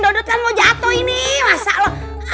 dodot kan mau jatuh ini masa lo